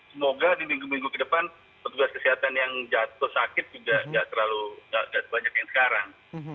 semoga di minggu minggu ke depan petugas kesehatan yang jatuh sakit juga tidak terlalu banyak yang sekarang